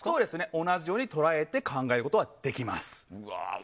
同じように捉えて考えることはできます。